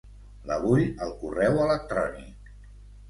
La vull al correu electrònic.